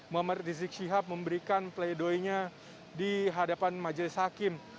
muhammad rizik siap memberikan pleidoinya di hadapan majelis hakim